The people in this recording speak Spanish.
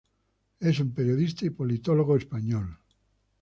Es un periodista y politólogo español.